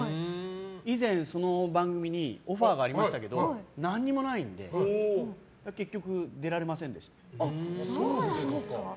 以前、その番組にオファーがありましたけど何もないので結局出られませんでした。